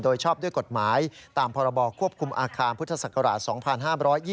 โดยชอบด้วยกฎหมายตามพรบควบคุมอาคารพุทธศักราช๒๕๒๒